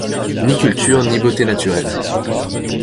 Ni cultures ni beautés naturelles.